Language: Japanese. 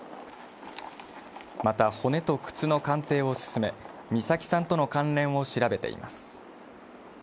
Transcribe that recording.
また、骨と靴の鑑定を進め、美咲さんとの関連を調べています。